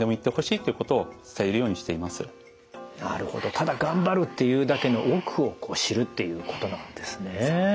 ただ頑張るっていうだけの奥を知るっていうことなんですね。